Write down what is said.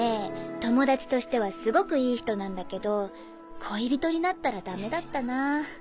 友達としてはすごくいい人なんだけど恋人になったらダメだったなぁ。